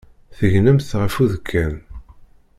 Tegnemt ɣef udekkan.